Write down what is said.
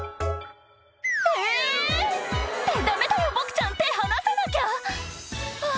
えぇ！ってダメだよボクちゃん手離さなきゃあぁ